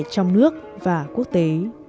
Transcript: trong nước và quốc tế